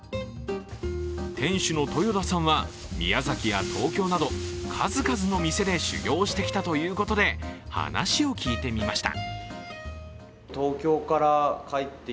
店主の豊田さんは宮崎や東京など数々の店で修業してきたということで話を聞いてみました。